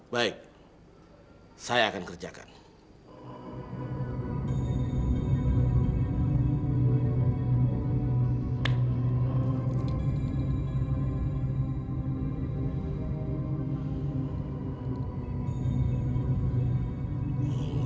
baik saya akan kerjakan